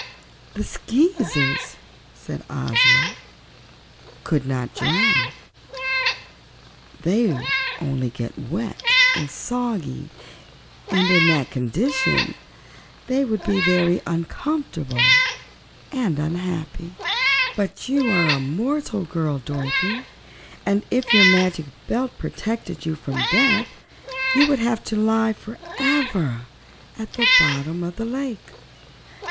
"The Skeezers," said Ozma, "could not drown; they only get wet and soggy and in that condition they would be very uncomfortable and unhappy. But you are a mortal girl, Dorothy, and if your Magic Belt protected you from death you would have to lie forever at the bottom of the lake."